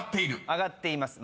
上がっています。